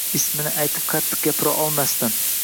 Ismini aytib qattiq gapira olmasdim.